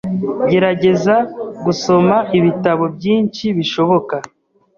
Gerageza gusoma ibitabo byinshi bishoboka .